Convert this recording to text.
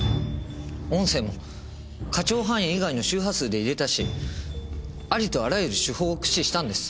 音声も可聴範囲以外の周波数で入れたしありとあらゆる手法を駆使したんです。